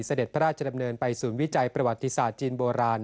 เสด็จพระราชดำเนินไปศูนย์วิจัยประวัติศาสตร์จีนโบราณ